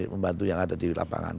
membantu yang ada di lapangan